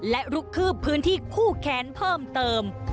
และลุกคืบพื้นที่คู่แค้นเพิ่มเติม